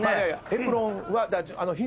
エプロンは火が。